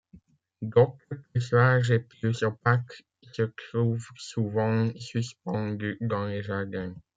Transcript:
D'autres, plus larges et plus opaques se trouvent souvent suspendues dans les jardins.